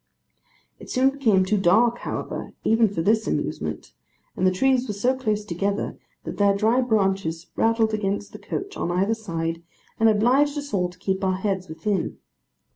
It soon became too dark, however, even for this amusement, and the trees were so close together that their dry branches rattled against the coach on either side, and obliged us all to keep our heads within.